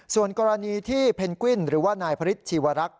ส่วนกรณีที่เพนกวิ้นหรือว่านายพระฤทธิวรักษ